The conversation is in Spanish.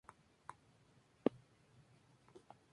El Senado aprobó el proyecto de ley por unanimidad.